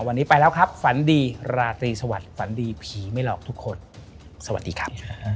วันนี้ไปแล้วครับฝันดีราตรีสวัสดิ์ฝันดีผีไม่หลอกทุกคนสวัสดีครับ